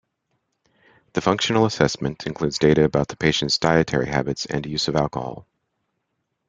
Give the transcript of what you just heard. The functional assessment includes data about the patient's dietary habits and use of alcohol.